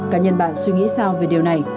cả nhân bạn suy nghĩ sao về điều này